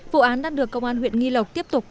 vụ án đang được công an huyện nghi lộc tiếp tục